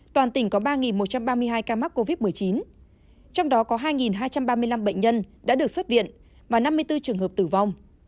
toàn tỉnh có ba một trăm ba mươi hai ca mắc covid một mươi chín trong đó có hai hai trăm ba mươi năm bệnh nhân đã được xuất viện và năm mươi bốn trường hợp tử vong